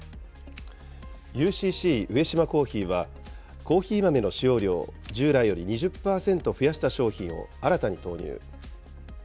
ＵＣＣ上島珈琲は、コーヒー豆の使用量を従来より２０％増やした商品を新たに投入。